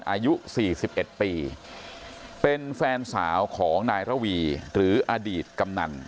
อายุ๔๑ปีเป็นแฟนสาวของนายระวีหรืออดีตกำนัน